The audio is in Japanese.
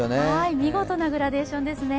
見事なグラデーションですね。